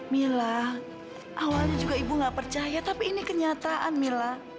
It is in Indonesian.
mila awalnya juga ibu nggak percaya tapi ini kenyataan mila